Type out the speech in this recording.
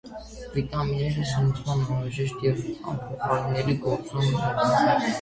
Վիտամինները սնուցման անհրաժեշտ և անփոխարինելի գործոն են։